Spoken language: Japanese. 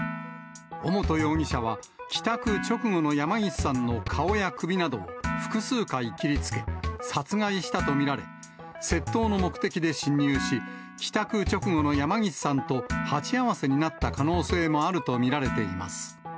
尾本容疑者は、帰宅直後の山岸さんの顔や首などを複数回切りつけ、殺害したと見られ、窃盗の目的で侵入し、帰宅直後の山岸さんと鉢合わせになった可能性もあると見られています。